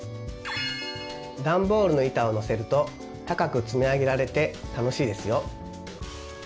ダンボールの板をのせると高く積み上げられて楽しいですよ。